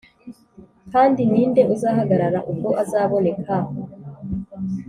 Kandi ni nde uzahagarara ubwo azaboneka?